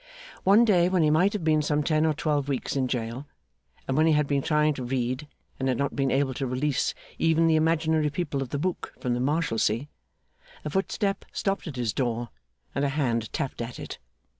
One day when he might have been some ten or twelve weeks in jail, and when he had been trying to read and had not been able to release even the imaginary people of the book from the Marshalsea, a footstep stopped at his door, and a hand tapped at it.